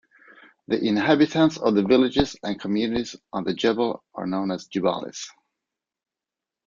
The inhabitants of the villages and communities on the jebel are known as "jibalis".